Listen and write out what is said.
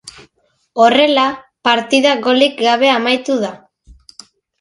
Horrela, partida golik gabe amaitu da.